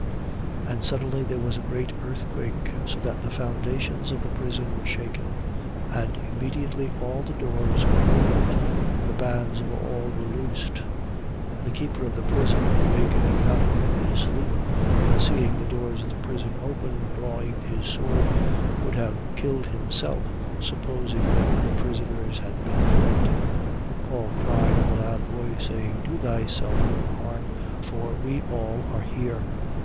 16:26. And suddenly there was a great earthquake, so that the foundations of the prison were shaken. And immediately all the doors were opened and the bands of all were loosed. 16:27. And the keeper of the prison, awakening out of his sleep and seeing the doors of the prison open, drawing his sword, would have killed himself, supposing that the prisoners had been fled. 16:28. But Paul cried with a loud voice, saying: Do thyself no harm, for we all are here.